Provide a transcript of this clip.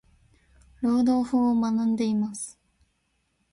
労働法を学んでいます。。